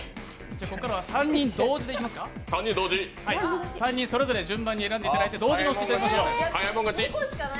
ここからは３人同時でいきますか３人それぞれ選んでいただいて同時に押していただきましょう。